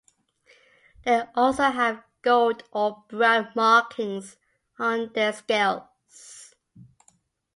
They also have gold or brown markings on their scales.